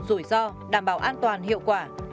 rủi ro đảm bảo an toàn hiệu quả